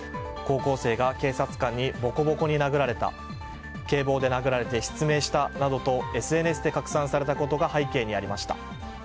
高校生が警察官にボコボコに殴られた警棒で殴られて失明したなどとＳＮＳで拡散されたことが背景にありました。